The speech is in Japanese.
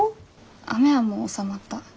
雨はもう収まった。